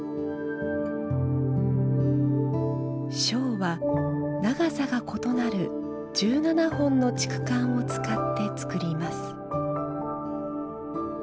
笙は長さが異なる１７本の竹管を使って作ります。